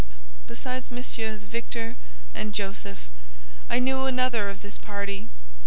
Besides Messieurs Victor and Josef, I knew another of this party.